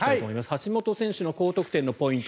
橋本選手の高得点のポイント